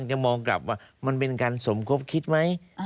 จะมองกลับว่ามันเป็นการสมคบคิดไหม